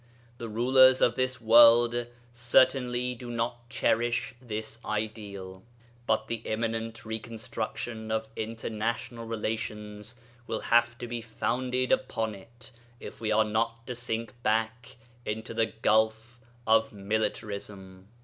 The rulers of this world certainly do not cherish this ideal; but the imminent reconstruction of international relations will have to be founded upon it if we are not to sink back into the gulf of militarism.